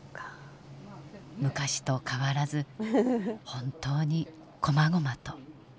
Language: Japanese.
昔と変わらず本当にこまごまと。